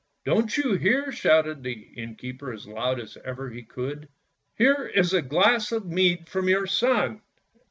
" Don't you hear? " shouted the innkeeper as loud as ever he could; " here is a glass of mead from your son!